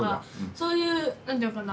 そういう何ていうのかな